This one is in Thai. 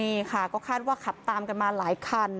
ใช่ก็ขัดว่าขับตามมาหลายคัน